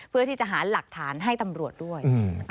เพื่อที่จะหาหลักฐานให้ตำรวจด้วย